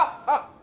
あっ！